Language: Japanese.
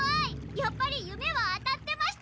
やっぱり夢は当たってました！